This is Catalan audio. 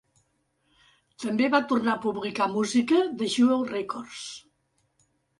També va tornar a publicar música de Jewel Records.